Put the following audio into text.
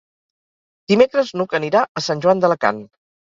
Dimecres n'Hug anirà a Sant Joan d'Alacant.